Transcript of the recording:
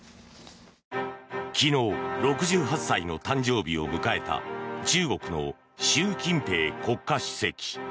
昨日、６８歳の誕生日を迎えた中国の習近平国家主席。